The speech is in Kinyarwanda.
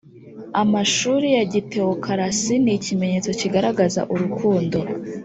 Amashuri ya gitewokarasi Ni ikimenyetso kigaragaza urukundo